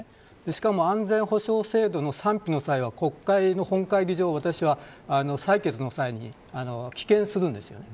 しかも安全保障制度の賛否の際は国会の本会議場を私は採決の際に棄権するんですね。